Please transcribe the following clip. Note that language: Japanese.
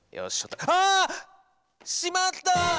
あしまった！